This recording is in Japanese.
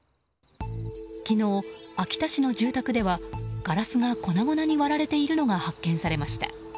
昨日、秋田市の住宅ではガラスが粉々に割られているのが発見されました。